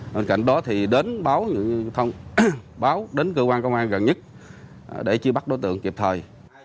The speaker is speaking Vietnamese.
bên cạnh đó thì đến báo thông báo đến cơ quan công an gần nhất để truy bắt đối tượng kịp thời